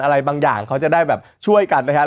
อะไรบางอย่างเขาจะได้แบบช่วยกันนะครับ